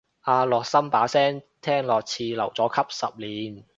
阿樂琛把聲聽落似留咗級十年